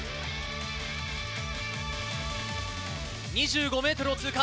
２５ｍを通過。